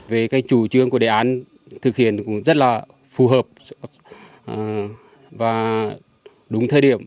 về cái chủ trương của đề án thực hiện cũng rất là phù hợp và đúng thời điểm